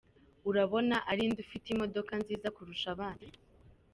Urabona ari nde ufite imodoka nziza kurusha abandi?.